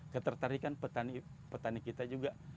ketertarikan petani kita